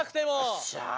よっしゃ！